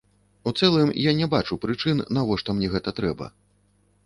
У цэлым я не бачу прычын, навошта мне гэта трэба.